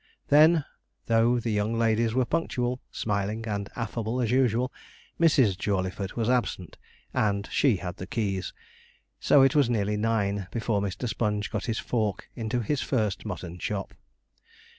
Then, though the young ladies were punctual, smiling, and affable as usual, Mrs. Jawleyford was absent, and she had the keys; so it was nearly nine before Mr. Sponge got his fork into his first mutton chop.